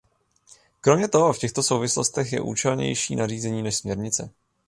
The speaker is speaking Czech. Kromě toho v těchto souvislostech je účelnější nařízení než směrnice.